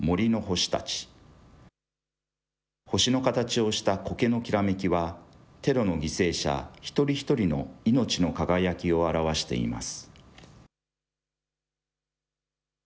星の形をしたこけのきらめきは、テロの犠牲者一人一人の命の輝きを表しています。